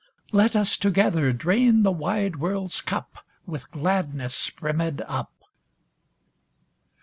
Let us together drain the wide world's cup With gladness brimmed up